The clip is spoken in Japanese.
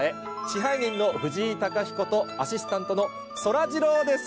支配人の藤井貴彦とアシスタントのそらジローです！